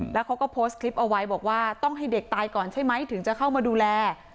แล้วเขาก็โพสต์คลิปเอาไว้บอกว่าต้องให้เด็กตายก่อนใช่ไหมถึงจะเข้ามาดูแล